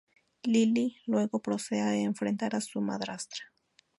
Lily luego procede a enfrentar a su madrastra.